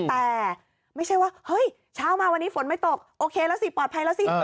แต่ไม่ใช่ว่าเฮ้ยเช้ามาวันนี้ฝนไม่ตกโอเคแล้วสิปลอดภัยแล้วสิ